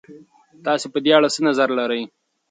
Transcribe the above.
تاسې په دې اړه څه نظر لرئ؟